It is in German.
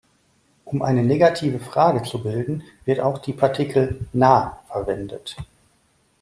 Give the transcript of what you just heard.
Um eine negative Frage zu bilden, wird auch die Partikel ན་ na verwendet.